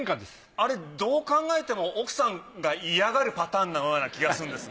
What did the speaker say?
あれどう考えても奥さんがイヤがるパターンなような気がするんですが。